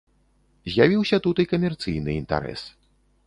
З'явіўся тут і камерцыйны інтарэс.